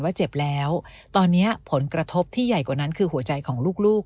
เจ็บแล้วตอนนี้ผลกระทบที่ใหญ่กว่านั้นคือหัวใจของลูก